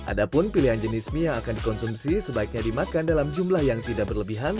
ada pun pilihan jenis mie yang akan dikonsumsi sebaiknya dimakan dalam jumlah yang tidak berlebihan